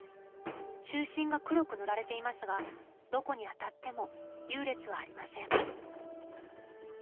中心が黒く塗られていますがどこに当たっても優劣はありません。